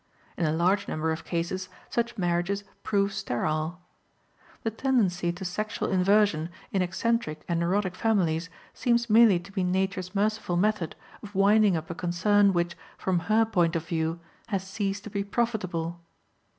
In a large number of cases such marriages prove sterile. The tendency to sexual inversion in eccentric and neurotic families seems merely to be nature's merciful method of winding up a concern which, from her point of view, has ceased to be profitable.